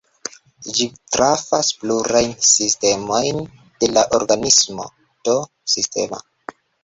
Ĝi trafas plurajn sistemojn de la organismo (do "sistema").